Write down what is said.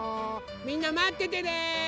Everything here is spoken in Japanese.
みんなまっててね！